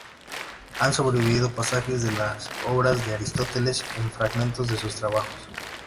Han sobrevivido pasajes de las obras de Aristóteles en fragmentos de sus trabajos.